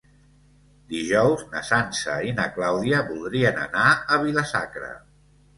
Dijous na Sança i na Clàudia voldrien anar a Vila-sacra.